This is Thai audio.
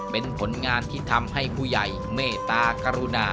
เป็นผลงานที่ทำให้ผู้ใหญ่เมตตากรุณา